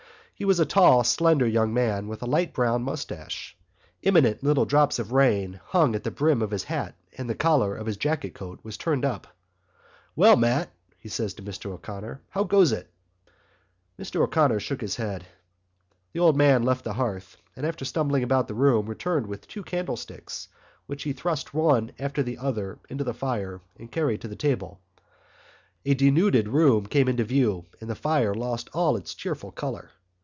He was a tall, slender young man with a light brown moustache. Imminent little drops of rain hung at the brim of his hat and the collar of his jacket coat was turned up. "Well, Mat," he said to Mr O'Connor, "how goes it?" Mr O'Connor shook his head. The old man left the hearth and, after stumbling about the room returned with two candlesticks which he thrust one after the other into the fire and carried to the table. A denuded room came into view and the fire lost all its cheerful colour.